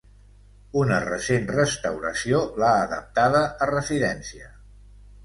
Una recent restauració l'ha adaptada a residència.